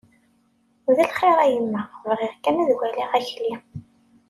D lxir a yemma, bɣiɣ kan ad waliɣ Akli.